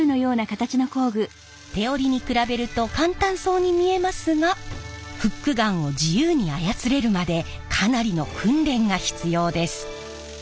手織りに比べると簡単そうに見えますがフックガンを自由に操れるまでかなりの訓練が必要です。